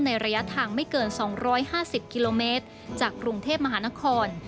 ระยะทางไม่เกิน๒๕๐กิโลเมตรจากกรุงเทพมหานคร